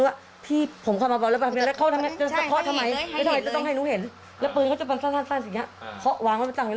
ลุกก่อนแบบเขามีปืนแต่คือแบบก็เมื่อก่อนก็คือกัดจะไปด้านลงไปแบบคืออย่างนี้